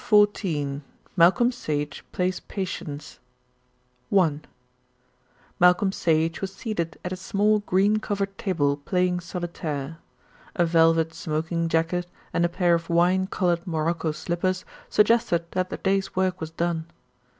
CHAPTER XIV MALCOLM SAGE PLAYS PATIENCE I Malcolm Sage was seated at a small green covered table playing solitaire. A velvet smoking jacket and a pair of wine coloured morocco slippers suggested that the day's work was done.